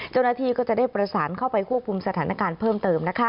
เจ้าหน้าที่ก็จะได้ประสานเข้าไปควบคุมสถานการณ์เพิ่มเติม